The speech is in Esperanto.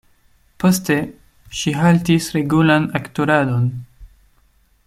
Poste, ŝi haltis regulan aktoradon.